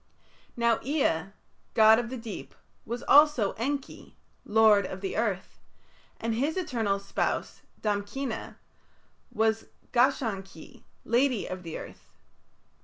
Now Ea, god of the deep, was also Enki, "lord of earth", and his eternal spouse, Damkina, was Gashan ki, "lady of earth".